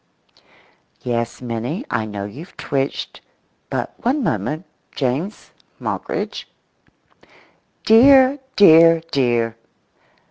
[Yes, Minnie; I know you've twitched, but one moment—James Moggridge]."Dear, dear, dear!"